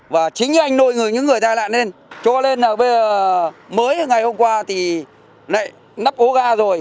và chính anh nôi những người tai nạn lên cho lên là bây giờ mới ngày hôm qua thì nắp hố ga rồi